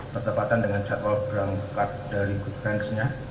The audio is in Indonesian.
pertempatan dengan catwal berangkat dari good branch nya